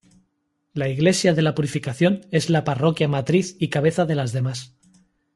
La iglesia de la Purificación es la parroquia matriz y cabeza de las demás.